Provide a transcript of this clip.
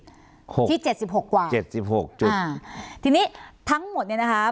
หกที่เจ็ดสิบหกกว่าเจ็ดสิบหกจุดอ่าทีนี้ทั้งหมดเนี้ยนะคะ